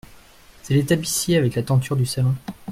C’est les tapissiers avec la tenture du salon.